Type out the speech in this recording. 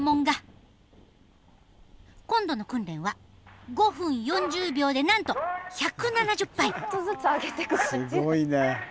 今度の訓練は５分４０秒でなんと１７０杯。